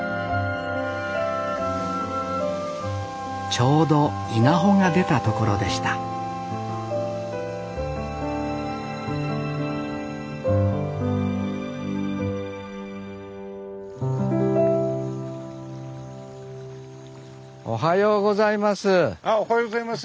ちょうど稲穂が出たところでしたおはようございます。